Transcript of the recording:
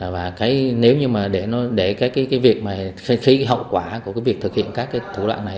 và nếu như để cái việc cái hậu quả của việc thực hiện các thủ đoạn này